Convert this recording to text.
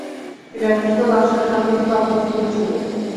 তিনি একই সাথে তানসেনের সাঙ্গীতিক ও আধ্যাত্মীক গুরু ছিলেন।